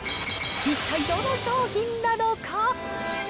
一体どの商品なのか。